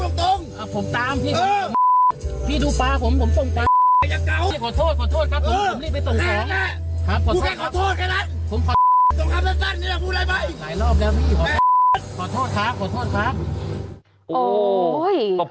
ยังเก่าขอโทษผมรีบไปส่งสองแค่เค้าแค่